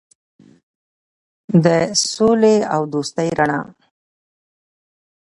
د سولې او دوستۍ رڼا.